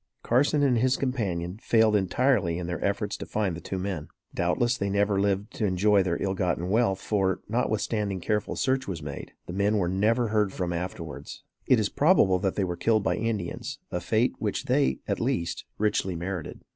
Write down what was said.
Carson and his companion failed entirely in their efforts to find the two men. Doubtless they never lived to enjoy their ill gotten wealth; for, notwithstanding careful search was made, the men were never heard from afterwards. It is probable that they were killed by Indians, a fate which they, at least, richly merited.